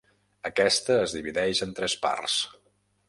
Aquesta es divideix en tres parts.